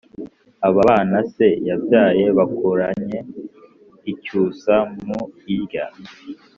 Aba bana se yabyaye bakuranye icyusa mu irya